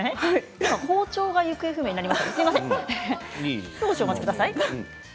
今包丁が行方不明になりました。